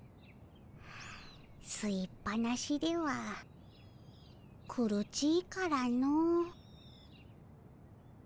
すいっぱなしでは苦ちいからの。